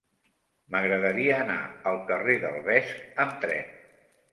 M'agradaria anar al carrer del Vesc amb tren.